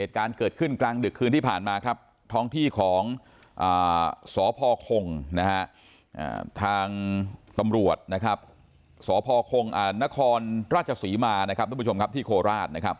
ฐภคั่งนครราชสีมาที่โคราช